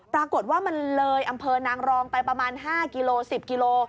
ปรากฏว่ามันเลยอำเภอนางรองไปประมาณ๕กิโล๑๐กิโล